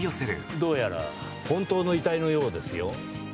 どうやら本当の遺体のようですよ。